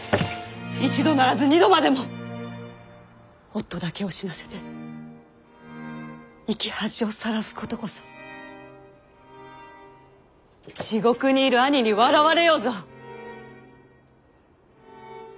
一度ならず二度までも夫だけを死なせて生き恥をさらすことこそ地獄にいる兄に笑われようぞ。